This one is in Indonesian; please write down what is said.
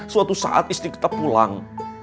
suatu saat istri kita pulang